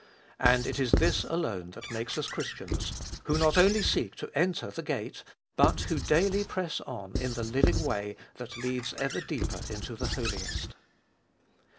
And it is this alone that makes us Christians, who not only seek to enter the gate, but who daily press on in the living way that leads ever deeper into the Holiest.